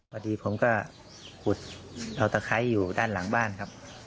พอดีผมก็ขุดเอาตะไคร้อยู่ด้านหลังบ้านครับ